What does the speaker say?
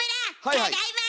ただいま！